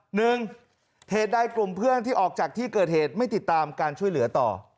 หนึ่งเหตุใดกลุ่มเพื่อนที่ออกจากที่เกิดเหตุไม่ติดตามการช่วยเหลือต่อ